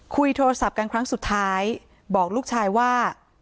คุยโทรศัพท์กันครั้งสุดท้ายบอกลูกชายว่า